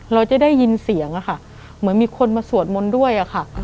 เราจะได้ยินเสียงอะค่ะเหมือนมีคนมาสวดมนต์ด้วยอะค่ะ